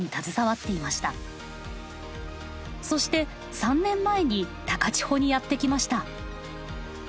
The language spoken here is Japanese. そして３年前に高千穂にやって来ました。